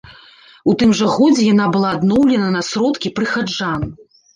У тым жа годзе яна была адноўлена на сродкі прыхаджан.